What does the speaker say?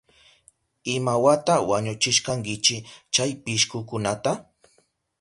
¿Imawata wañuchishkankichi chay pishkukunata?